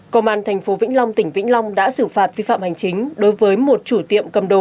công an tp vĩnh long tỉnh vĩnh long đã xử phạt vi phạm hành chính đối với một chủ tiệm cầm đồ